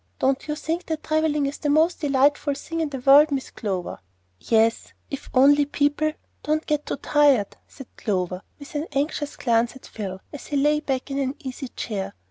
Don't you think that travelling is the most delightful thing in the world, Miss Clover?" "Yes if only people don't get too tired," said Clover, with an anxious glance at Phil, as he lay back in an easy chair.